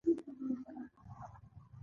د دې جملو شمېر له هر کتاب ډېر شو.